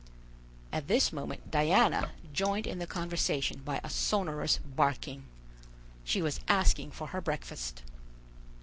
At this moment Diana joined in the conversation by a sonorous barking. She was asking for her breakfast.